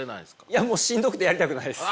いやもうしんどくてやりたくないです。